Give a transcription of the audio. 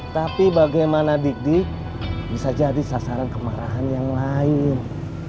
tapi bagaimana dig dik bisa jadi sasaran kemarahan yang lain